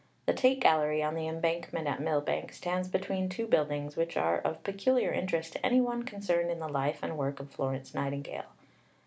The Tate Gallery, on the Embankment at Millbank, stands between two buildings which are of peculiar interest to any one concerned in the life and work of Florence Nightingale.